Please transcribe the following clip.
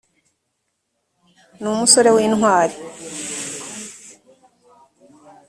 ni umusore w intwari